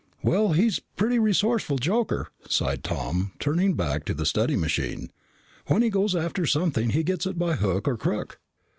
"Well, he's a pretty resourceful joker," sighed Tom, turning back to the study machine. "When he goes after something, he gets it by hook or crook."